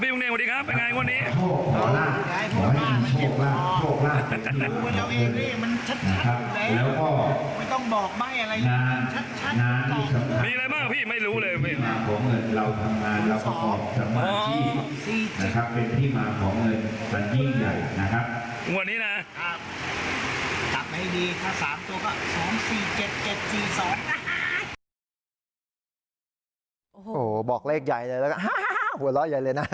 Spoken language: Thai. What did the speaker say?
โอ้โหบอกเลขใหญ่เลยแล้วก็หัวเราะใหญ่เลยนะ